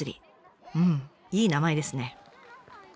うんいい名前ですね。